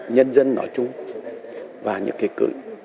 nhân dân nói chung và những kỳ cự